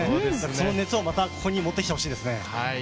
その熱をまた、ここに持ってきてほしいですね。